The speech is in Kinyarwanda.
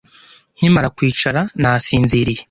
Nkimara kwicara, nasinziriye.